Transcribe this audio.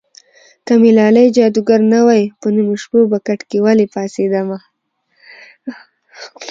که مې لالی جادوګر نه وای په نیمو شپو به کټ کې ولې پاڅېدمه